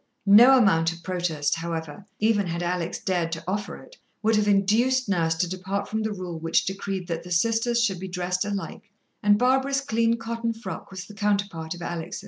No amount of protest, however, even had Alex dared to offer it, would have induced Nurse to depart from the rule which decreed that the sisters should be dressed alike, and Barbara's clean cotton frock was the counterpart of Alex'.